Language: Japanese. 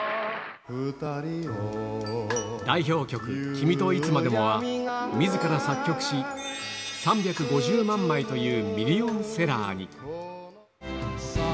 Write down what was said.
代表曲、君といつまでもは、みずから作曲し、３５０万枚というミリオンセラーに。